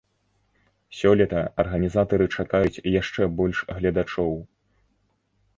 Сёлета арганізатары чакаюць яшчэ больш гледачоў.